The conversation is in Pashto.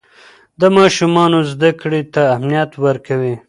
د ماشومانو زده کړې ته اهمیت ورکوي.